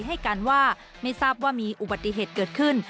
ให้การว่าไม่ทราบว่ามีอุบัติเหตุเกิดขึ้น